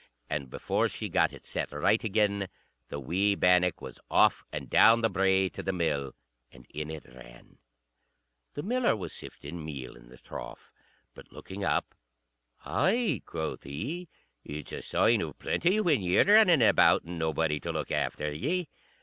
And before she got it set right again, the wee bannock was off and down the brae to the mill; and in it ran. The miller was sifting meal in the trough; but, looking up: "Ay," quoth he, "it's a sign of plenty when ye're running about, and nobody to look after ye.